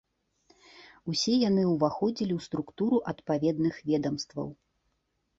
Усе яны ўваходзілі ў структуру адпаведных ведамстваў.